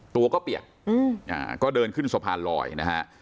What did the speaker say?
ตัวก็เปียกก็เดินขึ้นสะพานลอยนะฮะ